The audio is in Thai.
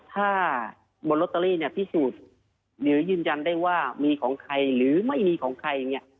ถ้าบนลอตเตอรี่เนี่ยพิสูจน์หรือยืนยันได้ว่ามีของใครหรือไม่มีของใครเนี่ย